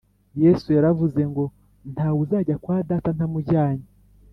yesu yaravuze ngo nta wuzajya kwa data na mujyanye